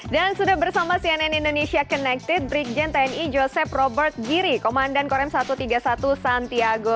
sudah bersama cnn indonesia connected brigjen tni joseph robert giri komandan korem satu ratus tiga puluh satu santiago